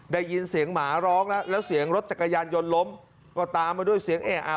ได้ยินเสียงหมาร้องแล้วแล้วเสียงรถจักรยานยนต์ล้มก็ตามมาด้วยเสียงเออะ